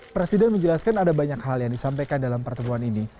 presiden menjelaskan ada banyak hal yang disampaikan dalam pertemuan ini